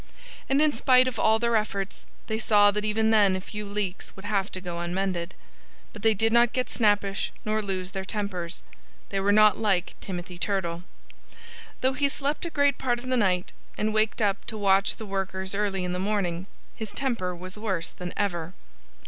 And in spite of all their efforts they saw that even then a few leaks would have to go unmended. But they did not get snappish nor lose their tempers. They were not like Timothy Turtle. Though he slept a great part of the night, and waked up to watch the workers early in the morning, his temper was worse than ever.